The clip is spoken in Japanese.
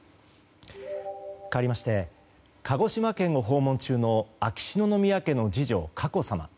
鹿児島県を訪問中の秋篠宮家の次女・佳子さま。